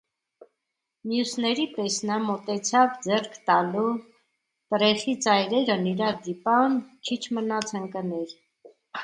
Մյուսների պես նա մոտեցավ ձեռք տալու, տրեխի ծայրերն իրար դիպան, քիչ մնաց ընկներ: